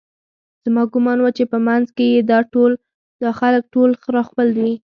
زما ګومان و چې په منځ کې یې دا خلک ټول راخپل دي